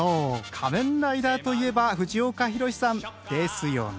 「仮面ライダー」といえば藤岡弘、さんですよね。